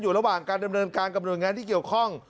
อยู่ระหว่างการดำเนินการกับประโยชน์งานที่เกี่ยวข้อง